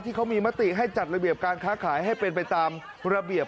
ที่เขามีมติให้จัดระเบียบการค้าขายให้เป็นไปตามระเบียบ